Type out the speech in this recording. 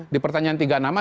di pertanyaan tiga nama